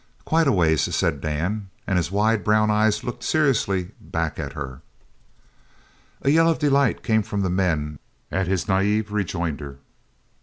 "Quite a ways," said Dan, and his wide brown eyes looked seriously back at her. A yell of delight came from the men at this naive rejoinder.